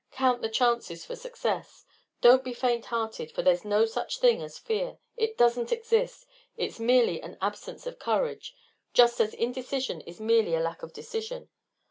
Count the chances for success. Don't be faint hearted, for there's no such thing as fear. It doesn't exist. It's merely an absence of courage, just as indecision is merely a lack of decision.